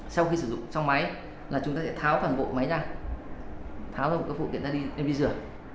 sau khi sử dụng trong máy chúng ta sẽ tháo toàn bộ máy ra tháo ra một cái phụ kiện ra đi đi rửa